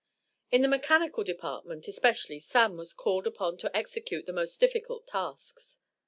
In the mechanical department, especially, "Sam" was called upon to execute the most difficult tasks.